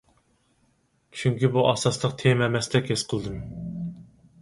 چۈنكى بۇ ئاساسلىق تېما ئەمەستەك ھېس قىلدىم.